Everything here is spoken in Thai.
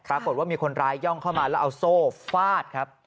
ปรากฏว่ามีคนร้ายย่องเข้ามาแล้วเอาโซ่ฟาดครับ